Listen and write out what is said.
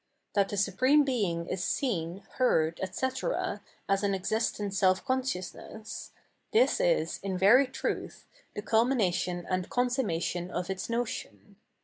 That the Supreme Being is seen, heard, etc., as an existent self consciousness, — ^this is, in very truth, the culmination and consummation of its notion.